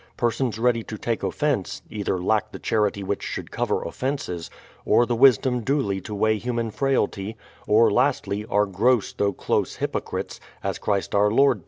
Persons ready to take offence, either lack the charity which should cover offences; or the wisdom duly to weigh human frailty; or lastly, are gross though close hypocrites, as Christ our Lord te?.